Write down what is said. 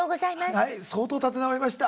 はい相当立て直りました。